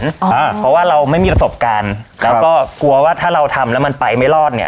เพราะว่าเราไม่มีประสบการณ์แล้วก็กลัวว่าถ้าเราทำแล้วมันไปไม่รอดเนี้ย